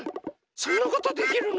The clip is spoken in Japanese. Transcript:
そんなことできるの？